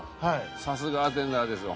さすがアテンダーですわ。